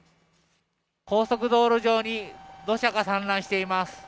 高速道路上に、土砂が散乱しています。